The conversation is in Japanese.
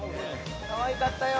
かわいかったよ。